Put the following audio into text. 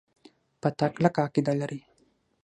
په تا کلکه عقیده لري.